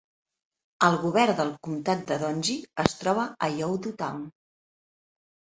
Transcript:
El govern del comtat de Dongzhi es troba a Yaodu Town.